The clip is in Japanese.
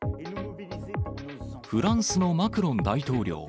フランスのマクロン大統領。